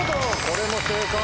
これも正解。